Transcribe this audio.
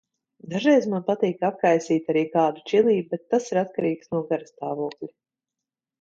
Dažreiz man patīk apkaisīt arī kādu čili, bet tas ir atkarīgs no garastāvokļa.